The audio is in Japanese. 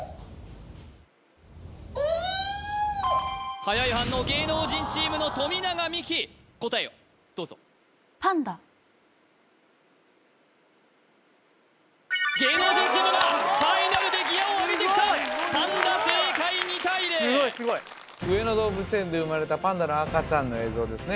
はやい反応芸能人チームの富永美樹答えをどうぞ芸能人チームがファイナルでギアを上げてきたパンダ正解２対０上野動物園で生まれたパンダの赤ちゃんの映像ですね